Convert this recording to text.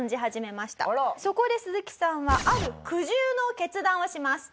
そこでスズキさんはある苦渋の決断をします。